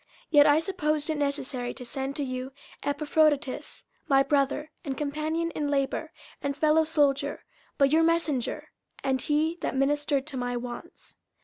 50:002:025 Yet I supposed it necessary to send to you Epaphroditus, my brother, and companion in labour, and fellowsoldier, but your messenger, and he that ministered to my wants.